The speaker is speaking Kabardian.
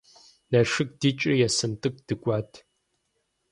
Налшык дикӏри Есэнтӏыгу дыкӏуат.